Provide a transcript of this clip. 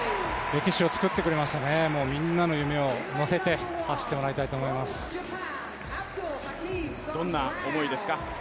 歴史を作ってくれましたね、みんなの夢を乗せて走ってもらいたいと思います。